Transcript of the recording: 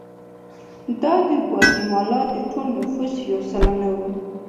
دا د ګواتیمالا د ټول نفوس یو سلنه وو.